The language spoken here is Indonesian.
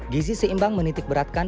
gizi seimbang menitikberatkan